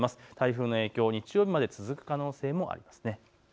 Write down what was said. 台風の影響、日曜日まで続く可能性があります。